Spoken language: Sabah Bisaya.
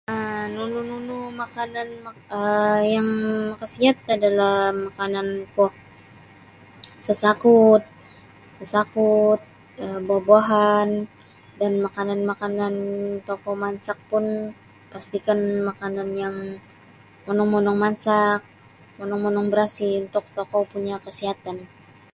um nunu-nunu makanan um yang makasiat adalah makanan kuo sasakut sasakut um buah-buahan dan makanan-makanan tokou mansak pun pastikan makanan yang monong-monong mansak monong-monong barasih untuk tokou punyo kasihatan